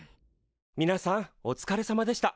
みなさんおつかれさまでした。